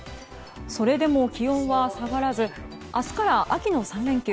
それでも気温は下がらず明日から秋の３連休。